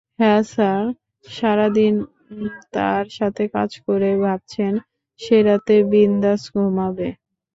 হ্যাঁ স্যার, সারাদিন তার সাথে কাজ করে, ভাবছেন সে রাতে বিন্দাস ঘুমাবে।